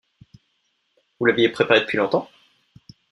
Vous l’aviez préparé depuis longtemps?